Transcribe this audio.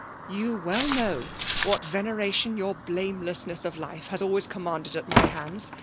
You well know what veneration yonr blamelessness of life has always commanded at my hands.